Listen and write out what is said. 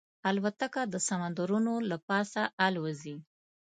الوتکه د سمندرونو له پاسه الوزي.